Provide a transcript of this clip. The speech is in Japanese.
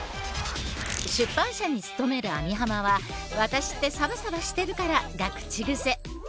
出版社に勤める網浜は「ワタシってサバサバしてるから」が口癖。